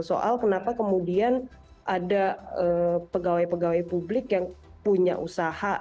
soal kenapa kemudian ada pegawai pegawai publik yang punya usaha